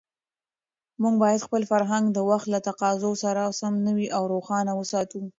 موږ باید خپل فرهنګ د وخت له تقاضاوو سره سم نوی او روښانه وساتو.